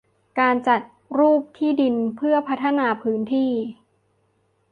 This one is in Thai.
การจัดรูปที่ดินเพื่อพัฒนาพื้นที่